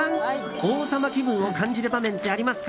王様気分を感じる場面ってありますか？